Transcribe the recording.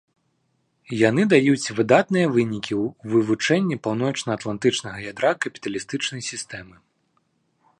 Яны даюць выдатныя вынікі ў вывучэнні паўночнаатлантычнага ядра капіталістычнай сістэмы.